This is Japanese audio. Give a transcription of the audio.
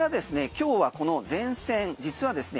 今日はこの前線実はですね